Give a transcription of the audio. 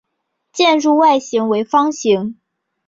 建筑外形为方形。